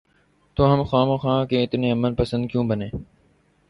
تو ہم خواہ مخواہ کے اتنے امن پسند کیوں بنیں؟